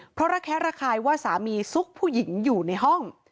เพราะระแคะระคายว่าสามีซุกผู้หญิงอยู่ในห้อง